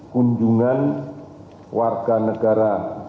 kunjungan warga negara dari negara negara yang lain yang sekarang menyatakan lockdown